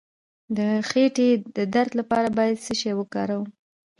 د خیټې د درد لپاره باید څه شی وکاروم؟